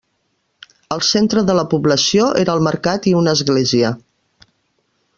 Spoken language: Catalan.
El centre de la població era el mercat i una església.